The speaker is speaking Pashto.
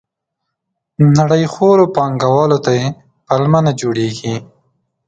نړیخورو پانګوالو ته یې پلمه نه جوړېږي.